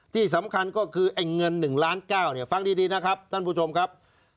ที่สำคัญก็คือไอ้เงิน๑ล้าน๙เนี่ยฟังดีนะครับท่านผู้ชมครับ